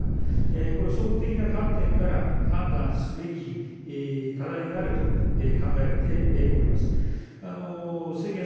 これ、総合的な観点から判断すべき課題であると考えております。